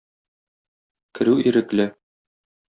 Керү ирекле.